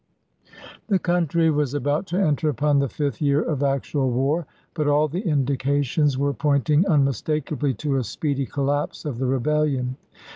Annual The country was about to enter upon the fifth year of actual war; but all the indications were pointing unmistakably to a speedy collapse of the rebellion.